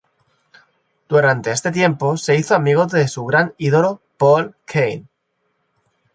Durante este tiempo se hizo amigo de su gran ídolo Paul Kane.